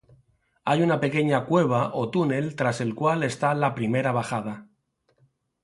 Hay una pequeña cueva o túnel tras el cual está la primera bajada.